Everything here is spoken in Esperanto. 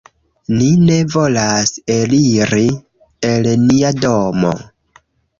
"Ni ne volas eliri el nia domo."